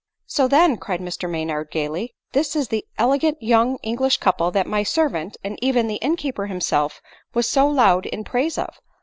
" So, then," cried Mr Maynard gaily, " this is the ele gant young English couple that my servant, and even the inn keeper himself, was so loud in praise of!